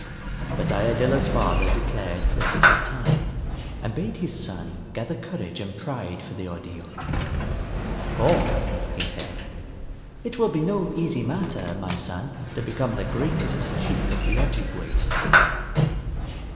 But Iadilla's father declared that it was time, and bade his son gather courage and pride for the ordeal. "For," he said, "it will be no easy matter, my son, to become the greatest chief of the Ojibways."